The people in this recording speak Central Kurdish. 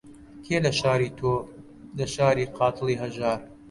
کێ لە شاری تۆ، لە شاری قاتڵی هەژار